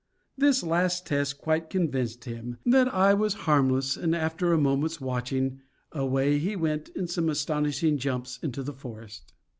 This last test quite convinced him that I was harmless, and, after a moment's watching, away he went in some astonishing jumps into the forest.